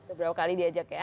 beberapa kali diajak ya